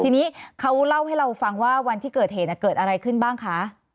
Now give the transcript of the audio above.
ทีนี้เขาเล่าให้เราฟังว่าวันที่เกิดเหตุเกิดอะไรขึ้นบ้างคะ